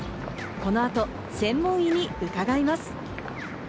この後、専門医に伺います。